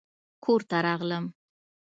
کور ته راغلم